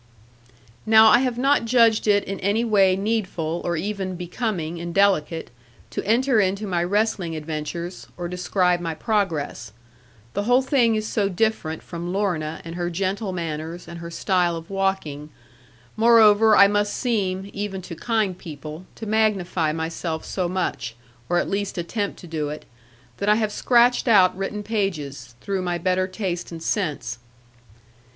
Now I have not judged it in any way needful or even becoming and delicate, to enter into my wrestling adventures, or describe my progress. The whole thing is so different from Lorna, and her gentle manners, and her style of walking; moreover I must seem (even to kind people) to magnify myself so much, or at least attempt to do it, that I have scratched out written pages, through my better taste and sense.